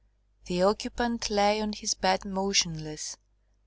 The occupant lay on his bed motionless.